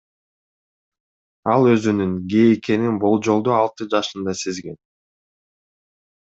Ал өзүнүн гей экенин болжолдуу алты жашында сезген.